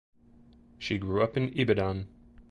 She grew up in Ibadan.